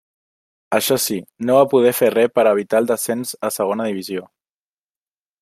Això sí, no va poder fer res per a evitar el descens a Segona divisió.